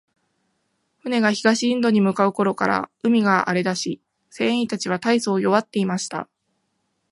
船が東インドに向う頃から、海が荒れだし、船員たちは大そう弱っていました。